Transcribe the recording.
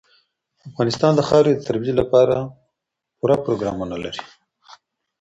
افغانستان د خاورې د ترویج لپاره پوره پروګرامونه لري.